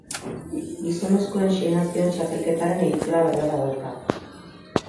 Gizonezkoen Sei Nazioen Txapelketaren egitura berbera dauka.